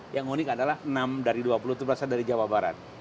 yang unik adalah enam dari dua puluh itu berasal dari jawa barat